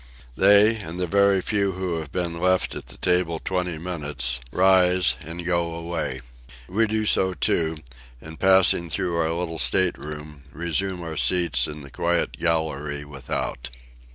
They, and the very few who have been left at table twenty minutes, rise, and go away. We do so too; and passing through our little state room, resume our seats in the quiet gallery without.